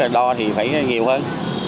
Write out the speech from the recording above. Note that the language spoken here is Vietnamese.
đo thì phải nhiều hơn